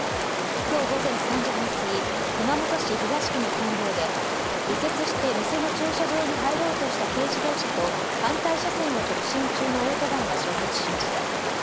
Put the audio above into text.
今日午前３時半過ぎ熊本市東区の県道で右折して店の駐車場に入ろうとした軽自動車と反対車線を直進中のオートバイが衝突しました。